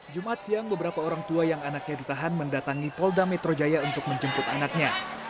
jumat siang beberapa orang tua yang anaknya ditahan mendatangi polda metro jaya untuk menjemput anaknya